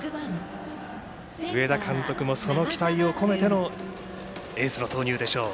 上田監督もその期待を込めてのエースの投入でしょう。